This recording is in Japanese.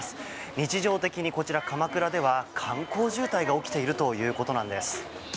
日常的にこちら、鎌倉では観光渋滞が起きているということなんです。